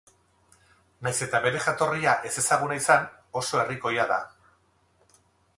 Nahiz eta bere jatorria ezezaguna izan, oso herrikoia da.